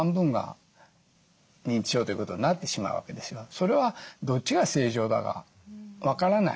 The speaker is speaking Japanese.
それはどっちが正常だか分からない。